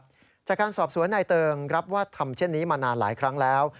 ทั้งหมดครับจากการสอบสวนในเติร์งรับว่าทำเช่นนี้มานานหลายครั้งแล้ว